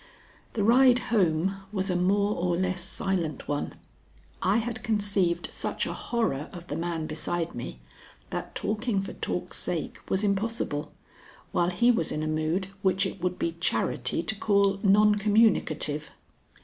The ride home was a more or less silent one. I had conceived such a horror of the man beside me, that talking for talk's sake was impossible, while he was in a mood which it would be charity to call non communicative.